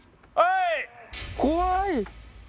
怖い！